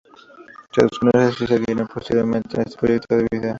Se desconoce si seguirán posteriormente a este proyecto de vídeo.